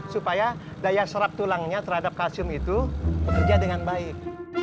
supaya daya serap tulangnya terhadap kalsium itu bekerja dengan baik